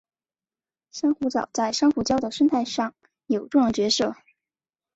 珊瑚藻在珊瑚礁的生态上有重要角色。